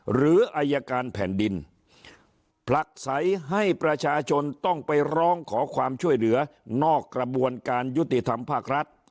หรืออายการแผ่นดินผลักใสให้ประชาชนต้องไปร้องขอความช่วยเหลือนอกกระบวนการยุติธรรมภาครัฐ